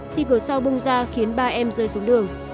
thì cửa sau bung ra khiến ba em rơi xuống đường